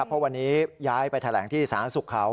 เพราะวันนี้ย้ายไปแถลงที่สาธารณสุขเขา